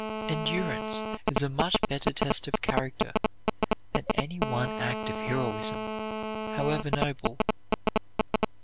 Endurance is a much better test of character than any one act of heroism, however noble.